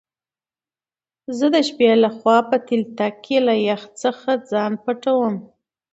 زه دشبی له خوا په تلتک کی له يخ ځخه ځان پټوم